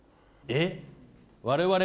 えっ？